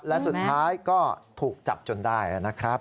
และสุดท้ายก็ถูกจับจนได้นะครับ